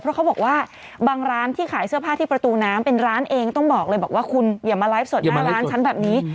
เพราะเขาบอกว่าบางร้านที่ขายเสื้อผ้าที่ประตูน้ำเป็นร้านเองต้องบอกเลยบอกว่าคุณอย่ามาไลฟ์สดหน้าร้านฉันแบบนี้